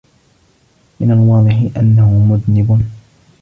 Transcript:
من الواضح أنّه مذنب.